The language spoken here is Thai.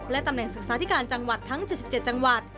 ตำแหน่งศึกษาธิการจังหวัดทั้ง๗๗จังหวัด